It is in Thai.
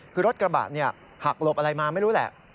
คือรถกระบะหักหลบอะไรมาไม่รู้แหละ